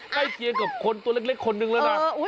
ใกล้เคลียรกับตัวเล็กคนหนึ่งแล้ว